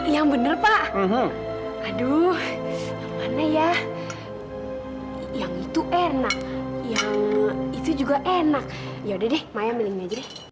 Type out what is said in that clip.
yang bener pak aduh mana ya yang itu enak ya itu juga enak ya udah deh maya miliknya